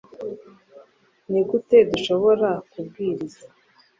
Ni gute dushobora kubwiriza